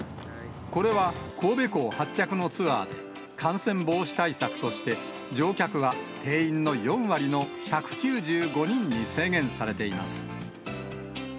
これは神戸港発着のツアーで、感染防止対策として乗客は定員の４割の１９５人に制限されています。